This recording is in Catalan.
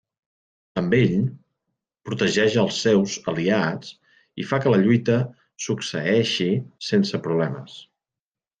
Amb ell, protegeix als seus aliats i fa que la lluita succeeixi sense problemes.